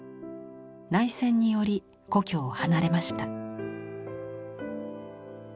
内戦により故郷を離れました。